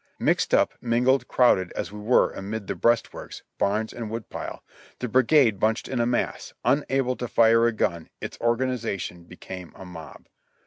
Mixed up, mingled, crowded as we were amid the breast works, barns and wood pile, the brigade bunched in a mass, unable to fire a gun, its organization became a mob.